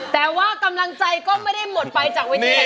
แต่ว่ากำลังใจก็ไม่ได้หมดไปจากวิธีแบบนี้ค่ะ